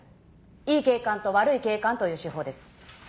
いい警官と悪い警官という手法です。